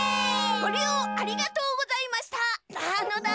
ごりようありがとうございましたなのだ。